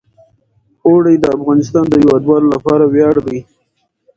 اوړي د افغانستان د هیوادوالو لپاره ویاړ دی.